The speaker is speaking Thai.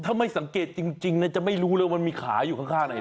ถ้าไม่สังเกตจริงจะไม่รู้เลยว่ามีขาอยู่ข้างใน